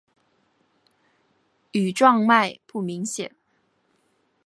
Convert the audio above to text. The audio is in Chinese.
羽状脉不明显。